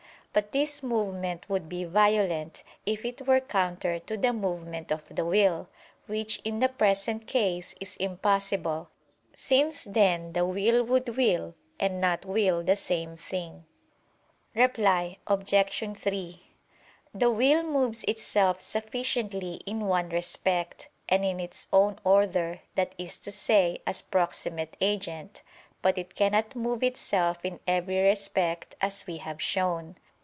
But this movement would be violent, if it were counter to the movement of the will: which in the present case is impossible; since then the will would will and not will the same thing. Reply Obj. 3: The will moves itself sufficiently in one respect, and in its own order, that is to say as proximate agent; but it cannot move itself in every respect, as we have shown.